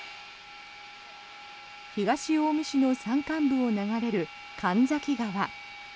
東近江市の山間部を流れる神崎川。